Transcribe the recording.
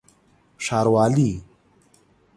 ښاروالي